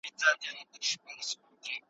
چي قاضي ته چا درنه برخه ورکړله